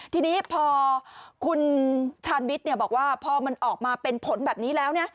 ทีนี้พอคุณชาญวิทย์บอกว่าพอมันออกมาเป็นผลแบบนี้แล้วนะ